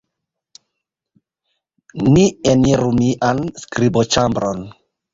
Ni eniru mian skriboĉambron.